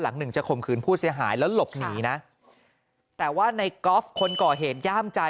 หนึ่งจะข่มขืนผู้เสียหายแล้วหลบหนีนะแต่ว่าในกอล์ฟคนก่อเหตุย่ามใจ